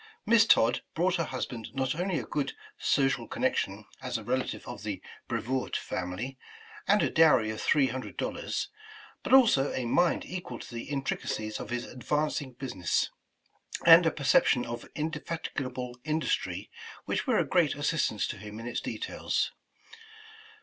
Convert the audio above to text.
Miss Todd brought her husband not only a good social connection, as a relative of the Brevoort family, and a dowry of three hundred dollars, but also a mind equal to the intricacies of his advancing business, and a per ception and indefatigable industry, which were a great assistance to him in its details.